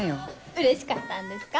うれしかったんですか？